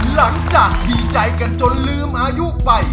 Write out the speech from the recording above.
หลังจากดีใจกันจนลืมอายุไป